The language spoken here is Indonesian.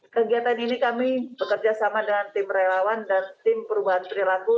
kegiatan ini kami bekerja sama dengan tim relawan dan tim perubahan perilaku